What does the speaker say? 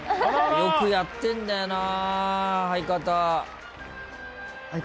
よくやってんだよなぁ相方。